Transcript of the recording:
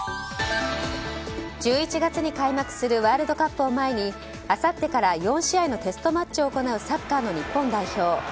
１１月に開幕するワールドカップを前にあさってから４試合のテストマッチを行うサッカーの日本代表。